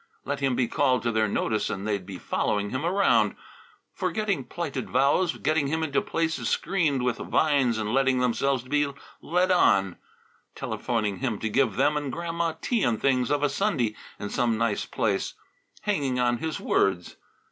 Let him be called to their notice and they'd be following him around, forgetting plighted vows, getting him into places screened with vines and letting themselves be led on; telephoning him to give them and Grandma tea and things of a Sunday in some nice place hanging on his words.